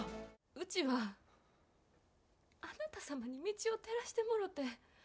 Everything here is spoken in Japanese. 「うちはあなたさまに道を照らしてもろうて」